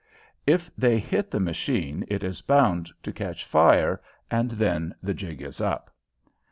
If they hit the machine it is bound to catch fire and then the jig is up.